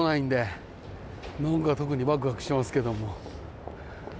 何か特にわくわくしますけども。